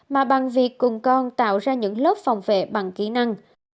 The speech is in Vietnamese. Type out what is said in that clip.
mà bằng việc cùng con tạo ra những lớp phòng vệ bằng kỹ năng